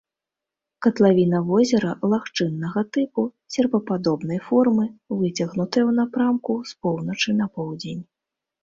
Катлавіна возера лагчыннага тыпу, серпападобнай формы, выцягнутая ў напрамку з поўначы на поўдзень.